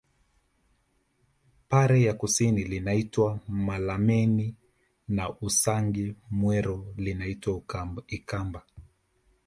Pare ya kusini linaitwa Malameni na Usangi Mwero linaitwa Ikamba